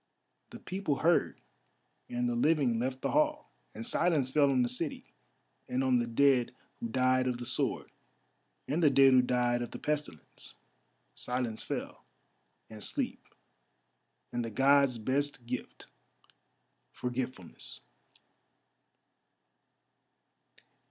The people heard, and the living left the hall, and silence fell on the city, and on the dead who died of the sword, and the dead who died of the pestilence. Silence fell, and sleep, and the Gods' best gift—forgetfulness.